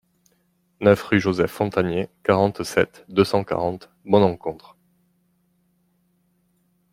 neuf rue Joseph Fontanié, quarante-sept, deux cent quarante, Bon-Encontre